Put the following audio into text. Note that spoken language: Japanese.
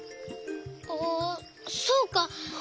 あそうか。